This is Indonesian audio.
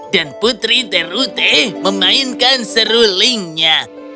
dan putri terute memainkan serulingnya